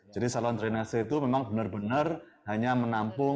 jadi saluran drainase itu memang benar benar hanya menampung